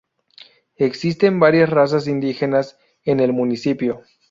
Existen varias razas indígenas en el municipio.